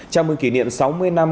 chào mừng kỷ niệm sáu mươi năm